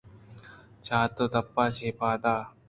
چات ءِ دپ ءَ چہ پادا